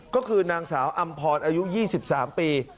ก็คือนางสาวอำพรอายุ๒๓ปี